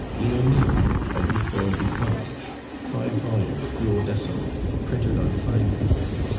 LEONIDE, by Victor Ducange; five volumes 12mo, printed on fine paper.